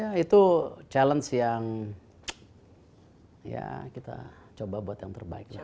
ya itu challenge yang ya kita coba buat yang terbaik